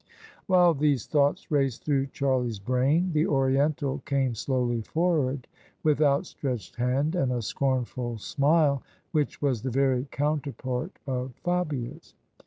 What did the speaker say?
While these thoughts raced through Charlie's brain, the Oriental came slowly forward with outstretched hand and a scornful smile which was the very counterpart of Fabia's.